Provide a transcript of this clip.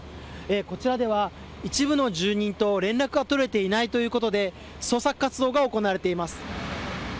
こちらでは一部の住民と連絡が取れていないということで捜索活動が行われています。